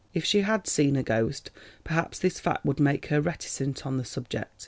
If she had seen a ghost, perhaps this fact would make her reticent on the subject.